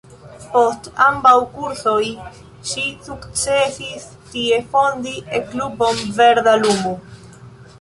Post ambaŭ kursoj ŝi sukcesis tie fondi E-klubon "Verda lumo".